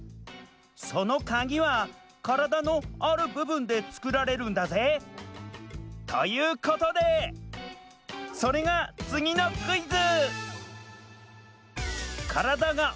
そのカギはカラダの「あるぶぶん」でつくられるんだぜ！ということでそれがつぎのクイズ！